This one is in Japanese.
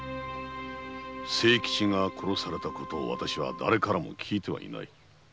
清吉が殺されたことをわたしはだれからも聞いてはいない。